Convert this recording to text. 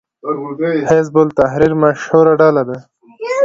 حزب التحریر مشهوره ډله ده